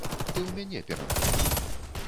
Ты ў мяне пераначуй.